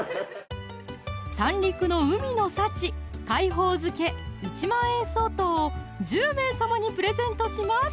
三陸の海の幸「海宝漬」１万円相当を１０名様にプレゼントします